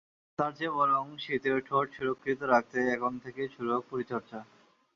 তার চেয়ে বরং শীতে ঠোঁট সুরক্ষিত রাখতে এখন থেকেই শুরু হোক পরিচর্যা।